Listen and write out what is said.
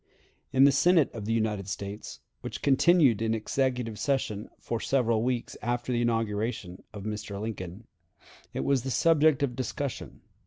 In the Senate of the United States, which continued in executive session for several weeks after the inauguration of Mr. Lincoln, it was the subject of discussion.